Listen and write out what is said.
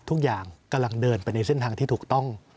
ทุกอย่างกำลังเดินไปในเส้นทางที่ถูกต้อง